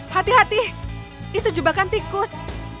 hati hati itu jebakan tikus